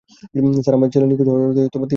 Sir, আমার ছেলে নিখোঁজ হওয়ার তিন মাস হয়ে গেছে।